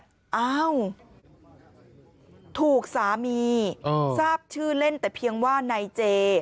อ้าวถูกสามีทราบชื่อเล่นแต่เพียงว่านายเจ